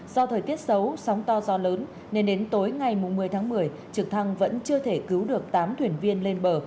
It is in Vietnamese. do thời tiết xấu sóng to do lớn nên đến tối ngày một mươi tháng một mươi trực thăng vẫn chưa thể cứu được tám thuyền viên lên bờ